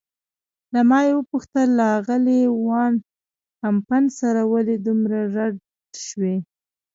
له ما یې وپوښتل: له آغلې وان کمپن سره ولې دومره رډ شوې؟